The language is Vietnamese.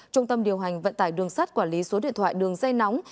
trung tâm điều hành vận tải đường sắt quản lý số điện thoại đường dây nóng